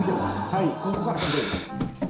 はいここからすごいでしょ。